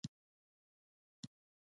افغانان داسي اردوه نه غواړي